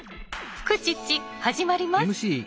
「フクチッチ」始まります！